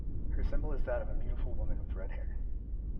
Her symbol is that of a beautiful woman with red hair.